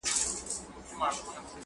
څېړونکي خپل ځواب په شعر کې ویلی و.